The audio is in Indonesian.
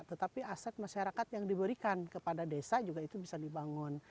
tetapi aset masyarakat yang diberikan kepada desa juga itu bisa dibangun